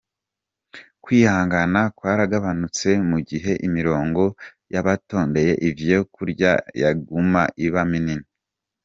Kwihangana kwaragabanutse mu gihe imironga y'abatondeye ivyo kurya yaguma iba minini.